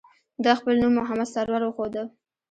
ده خپل نوم محمد سرور وښوده.